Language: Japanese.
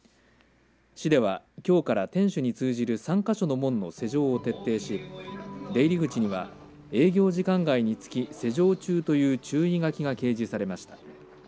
市では、今日から天守に通じる３か所の門の施錠を徹底し出入り口には営業時間外につき施錠中という注意書きが掲示されました。